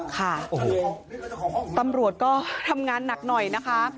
ค่ะโอ้โหตำรวจก็ทำงานหนักหน่อยนะคะ